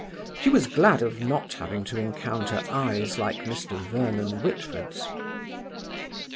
She was glad of not having to encounter eyes like Mr. Vernon Whitford's.